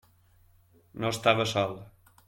No estava sol.